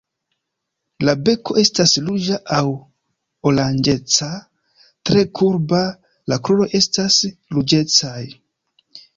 La beko estas ruĝa aŭ oranĝeca, tre kurba, la kruroj estas ruĝecaj.